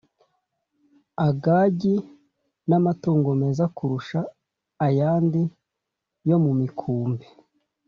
Agagi n amatungo meza kurusha ayandi yo mu mikumbi